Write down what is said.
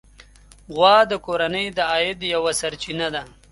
غوا د کورنۍ د عاید یوه سرچینه ده.